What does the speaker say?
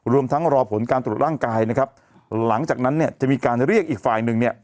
รวมทั้งรอผลการตรวจร่างกายนะครับหลังจากนั้นเนี่ยจะมีการเรียกอีกฝ่ายหนึ่งเนี่ย